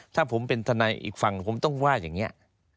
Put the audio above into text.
ถ้าผมเป็นทนายอีกฝั่งผมต้องว่าอย่างนี้